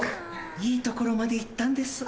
いいところまでいったんです。